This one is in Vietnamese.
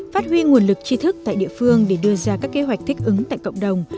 phát huy nguồn lực tri thức tại địa phương để đưa ra các kế hoạch thích ứng tại cộng đồng